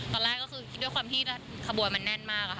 ตอนแรกก็คือด้วยความที่ขบวนมันแน่นมากค่ะ